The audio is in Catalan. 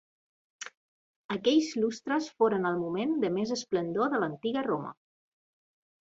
Aquells lustres foren el moment de més esplendor de l'antiga Roma.